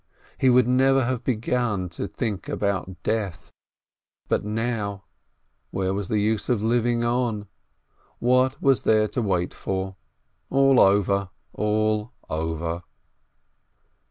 He would never have begun to think about death, but now — where was the use of living on? What was there to wait for ? All over !— all over